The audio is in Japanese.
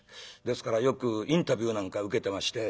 ですからよくインタビューなんか受けてまして